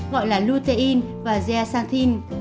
gọi là lutein và zeaxanthin